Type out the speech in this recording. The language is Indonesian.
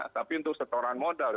tapi untuk setoran modal